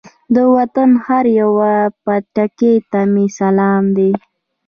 د وطن هر یوه پټکي ته مې سلام دی.